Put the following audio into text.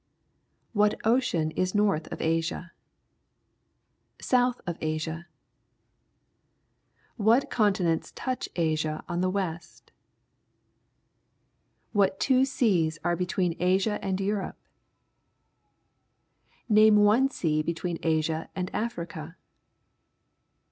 What ocean is north of Asia ? South of Asia? What continents touch Asia on the west? What two seas are between Asia and Europe ? Name one sea between Asia and Africa.